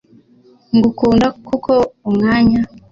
ngukunda kuko umwanya